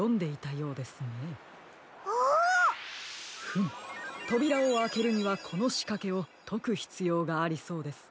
フムとびらをあけるにはこのしかけをとくひつようがありそうです。